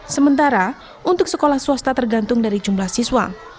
sementara untuk sekolah swasta tergantung dari jumlah siswa